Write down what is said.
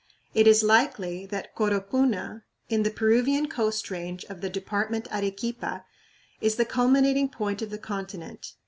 It is likely ... that Coropuna, in the Peruvian coast range of the Department Arequipa, is the culminating point of the continent.